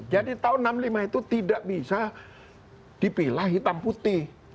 jadi tahun seribu sembilan ratus enam puluh lima itu tidak bisa dipilah hitam putih